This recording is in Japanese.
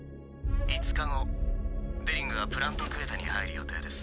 ５日後デリングはプラント・クエタに入る予定です。